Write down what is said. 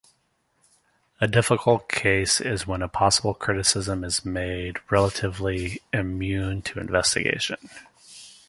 A difficult case is when a possible criticism is made relatively immune to investigation.